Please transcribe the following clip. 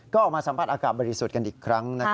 ก็ออกมาสัมผัสอากาศบริสุทธิ์กันอีกครั้ง